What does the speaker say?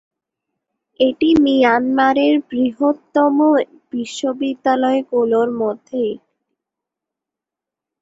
এটি মিয়ানমারের বৃহত্তম বিশ্ববিদ্যালয়গুলোর মধ্যে একটি।